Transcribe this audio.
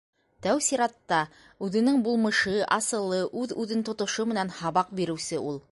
Тәү сиратта, үҙенең булмышы, асылы, үҙ-үҙен тотошо менән һабаҡ биреүсе ул.